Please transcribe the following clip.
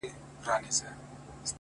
• سیاه پوسي ده ـ ورځ نه ده شپه ده ـ